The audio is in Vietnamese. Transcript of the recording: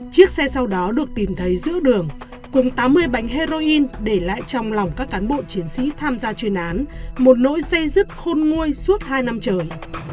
chiếc xe sau đó được tìm thấy giữa đường cùng tám mươi bánh heroin để lại trong lòng các cán bộ chiến sĩ tham gia chuyên án một nỗi dây dứt khôn nguôi suốt hai năm trời